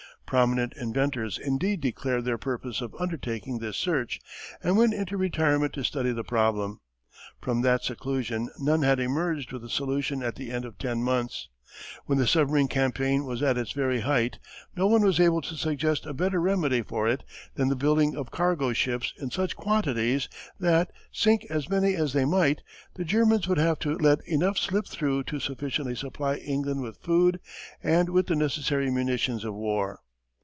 Prominent inventors indeed declared their purpose of undertaking this search and went into retirement to study the problem. From that seclusion none had emerged with a solution at the end of ten months. When the submarine campaign was at its very height no one was able to suggest a better remedy for it than the building of cargo ships in such quantities that, sink as many as they might, the Germans would have to let enough slip through to sufficiently supply England with food and with the necessary munitions of war.